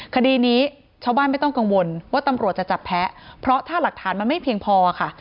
คดีนี้ชาวบ้านไม่ต้องกังวลว่าตำรวจจะจับแพ้เพราะถ้าหลักฐานมันไม่เพียงพอค่ะ